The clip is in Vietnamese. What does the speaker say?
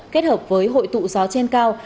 kết hợp với hội tụ gió trên cao